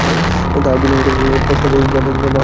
তাঁহার বিনয়ও কোনরূপ কষ্ট যন্ত্রণা বা আত্মগ্লানিপূর্ণ ছিল না।